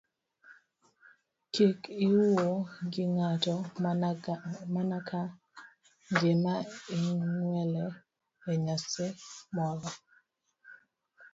Kik iwuo gi ng'ato mana ka gima igwele e nyasi moro.